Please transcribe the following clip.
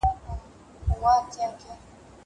زه به سبا ونې ته اوبه ورکوم.